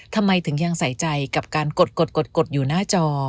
ทำไมถึงยังใส่ใจกับการกดอยู่หน้าจอ